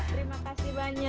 terima kasih banyak